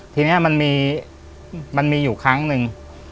ทีนี้มันมีอยู่ครั้งนึง